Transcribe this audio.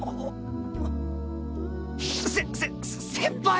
せせ先輩！？